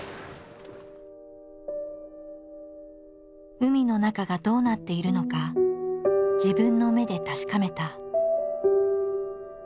海の中がどうなっているのか自分の目で確かめた。